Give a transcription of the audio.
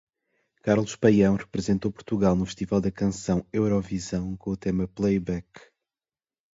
Carlos Paião representou Portugal no Festival da Canção Eurovisão com o tema "Playback".